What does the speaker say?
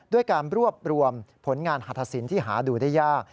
ด้วยการรวบรวมผลงานฮาธศิลป์ที่หาดูได้ยาก